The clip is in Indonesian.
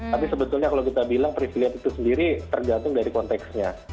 tapi sebetulnya kalau kita bilang privilege itu sendiri tergantung dari konteksnya